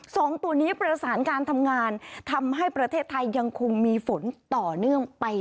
สองตัวนี้ประสานการทำงานทำให้ประเทศไทยยังคงมีฝนต่อเนื่องไป